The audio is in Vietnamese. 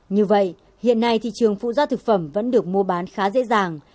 như vậy hiện nay thị trường phụ gia thực phẩm vẫn được mua bán khá dễ dàng